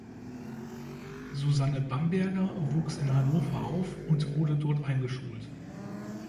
Susanne Bamberger wuchs in Hannover auf und wurde dort eingeschult.